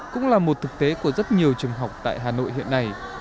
cũng là một thực tế của rất nhiều trường học tại hà nội hiện nay